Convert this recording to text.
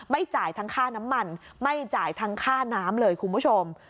จ่ายทั้งค่าน้ำมันไม่จ่ายทั้งค่าน้ำเลยคุณผู้ชม